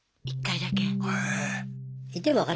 １回だけ？